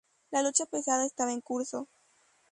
La lucha pesada estaba en curso.